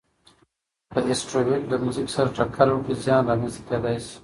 که اسټروېډ له ځمکې سره ټکر وکړي، زیان رامنځته کېدای شي.